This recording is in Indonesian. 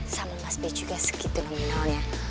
sama mas be juga segitu nominalnya